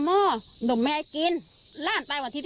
น้ำมันคิดว่าหนุ่มแม่กินร่านตายวันที่๒๑